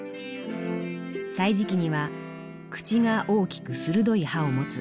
「歳時記」には「口が大きく鋭い歯をもつ。